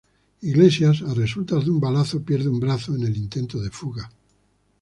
Iglesias, a resultas de un balazo, pierde un brazo en el intento de fuga.